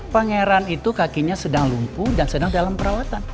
pangeran itu kakinya sedang lumpuh dan sedang dalam perawatan